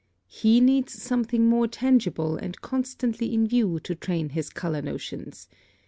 He needs something more tangible and constantly in view to train his color notions.